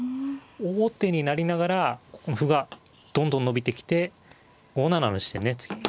王手になりながら歩がどんどん伸びてきて５七の地点ね次。